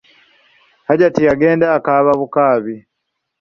Hajati yagenda akaaba bukaabi!